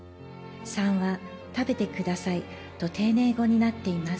３は「食べてください」と丁寧語になっています。